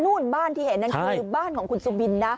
บ้านที่เห็นนั่นคือบ้านของคุณสุบินนะ